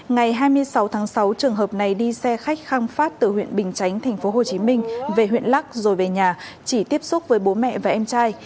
ngày hai mươi sáu tháng sáu trường hợp này đi xe khách khang phát từ huyện bình chánh thành phố hồ chí minh về huyện lắk rồi về nhà chỉ tiếp xúc với bố mẹ và em trai